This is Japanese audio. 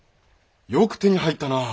よく手に入ったなあ。